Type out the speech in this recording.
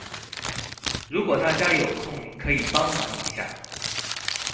如果大家有空可以幫忙一下